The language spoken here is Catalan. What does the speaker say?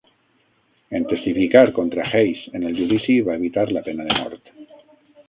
En testificar contra Hays en el judici, va evitar la pena de mort.